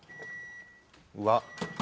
うわっ。